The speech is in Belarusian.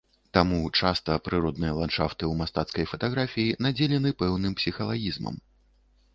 Таму часта прыродныя ландшафты ў мастацкай фатаграфіі надзелены пэўным псіхалагізмам.